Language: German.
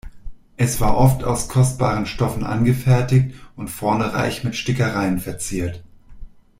Es war oft aus kostbaren Stoffen angefertigt und vorne reich mit Stickereien verziert.